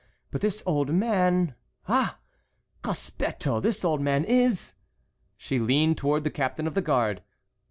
But this old man—ah! cospetto!—this old man is"— She leaned toward the captain of the guard.